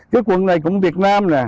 cái quần này cũng việt nam nè